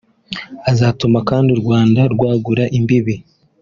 Azatuma kandi u Rwanda rwagura imbibi